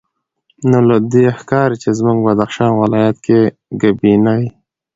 نو له دې ښکاري چې زموږ بدخشان ولایت کې ګبیني